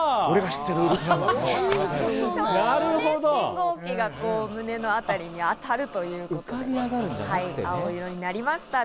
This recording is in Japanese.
信号機が胸のあたりにあたるということで青色になりました。